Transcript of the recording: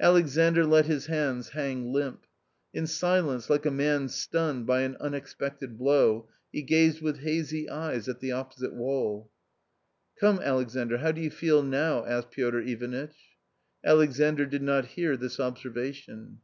Alexandr let his hands hang limp. In silence, like a man stunned by an unexpected blow, he gazed with hazy eyes at the opposite well. "Come, Alexandr, how do you feel now?" asked Piotr Ivanitch. Alexandr did not hear this observation.